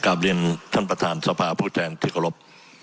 กลับเรียนท่านประธานสภาผู้แทนที่เคารพ